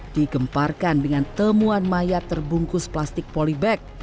digemparkan dengan temuan mayat terbungkus plastik polybag